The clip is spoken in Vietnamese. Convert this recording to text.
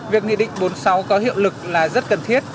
việc nghị định bốn mươi sáu có hiệu lực là rất cần thiết